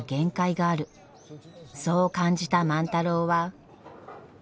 そう感じた万太郎は。